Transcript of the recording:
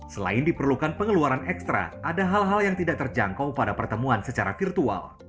selain diperlukan pengeluaran ekstra ada hal hal yang tidak terjangkau pada pertemuan secara virtual